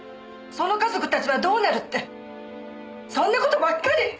「その家族たちはどうなる？」ってそんな事ばっかり！